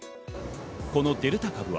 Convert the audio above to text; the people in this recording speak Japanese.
このデルタ株は